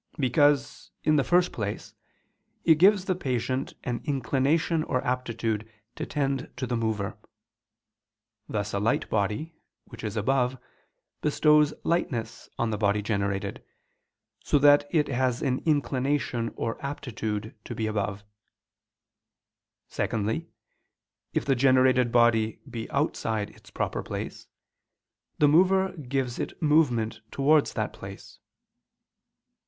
Because, in the first place, it gives the patient an inclination or aptitude to tend to the mover: thus a light body, which is above, bestows lightness on the body generated, so that it has an inclination or aptitude to be above. Secondly, if the generated body be outside its proper place, the mover gives it movement towards that place.